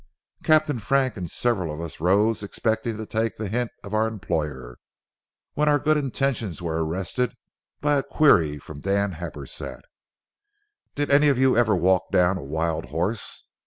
Captain Frank and several of us rose expecting to take the hint of our employer, when our good intentions were arrested by a query from Dan Happersett, "Did any of you ever walk down a wild horse?"